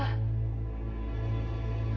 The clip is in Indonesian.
aku pergi dulu